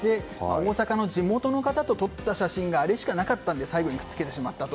大阪の地元の方と撮った写真があれしかなかったので最後にくっつけてしまったと。